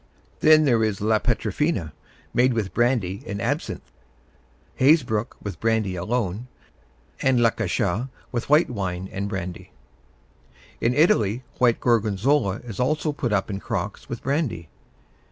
Then there is la Petafina, made with brandy and absinthe; Hazebrook with brandy alone; and la Cachat with white wine and brandy. In Italy white Gorgonzola is also put up in crocks with brandy.